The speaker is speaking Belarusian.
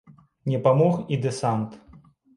Не памог і дэсант.